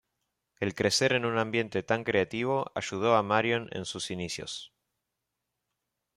El crecer en un ambiente tan creativo ayudó a Marion en sus inicios.